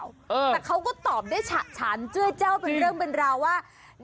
แต่เขาก็ตอบได้ฉันเจ้าเป็นเรื่องเป็นราวว่า